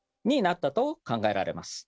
なったと考えられます。